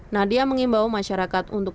nadia mengimbau masyarakat untuk